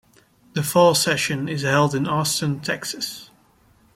The fall session is held in Austin, Texas.